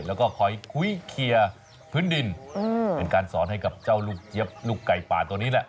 แล้วก็คอยคุยเคลียร์พื้นดินเป็นการสอนให้กับเจ้าลูกเจี๊ยบลูกไก่ป่าตัวนี้แหละ